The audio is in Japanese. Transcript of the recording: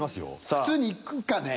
普通にいくかね？